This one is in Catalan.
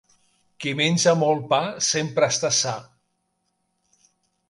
Qui menja molt pa sempre està sa.